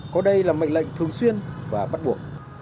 có đây là mệnh lệnh thường xuyên và bắt buộc